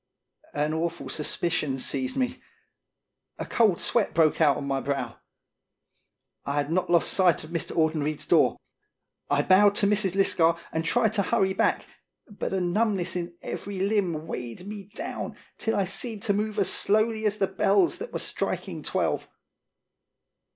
An awful suspicion seized me ; a cold sweat broke out on my brow. I had not lost sight of Mr. Audenried's door. I bowed to Mrs. Lisgar and tried to hurry back, but a numbness in every limb weighed me down till I seemed to move as slowly as the bells that were striking twelve.